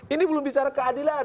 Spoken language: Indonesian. ini belum bicara keadilan